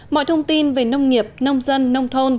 mọi thông tin về nông nghiệp nông dân nông thôn